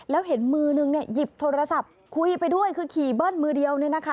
แล้วเห็นมือนึงหยิบโทรศัพท์คุยไปด้วยคือขี่เบิ้ลมือเดียว